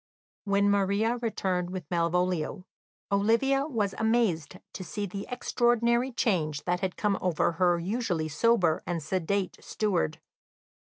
When Maria returned with Malvolio, Olivia was amazed to see the extraordinary change that had come over her usually sober and sedate steward.